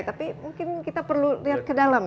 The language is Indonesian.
tapi mungkin kita perlu lihat ke dalam